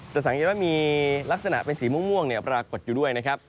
สังเกตว่ามีลักษณะเป็นสีม่วงปรากฏอยู่ด้วยนะครับ